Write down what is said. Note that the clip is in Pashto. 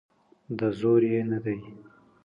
د زور یې نه دی.